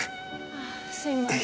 ああすいません。